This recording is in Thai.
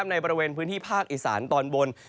ในบริเวณพื้นที่ภาคอีสานตอนบน